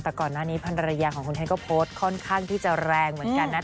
แต่ก่อนหน้านี้ภรรยาของคุณแทนก็โพสต์ค่อนข้างที่จะแรงเหมือนกันนะ